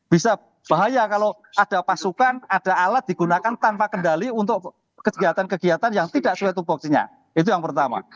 bisa bahaya kalau ada pasukan ada alat digunakan tanpa kendali untuk kegiatan kegiatan yang tidak sesuai tupoksinya itu yang pertama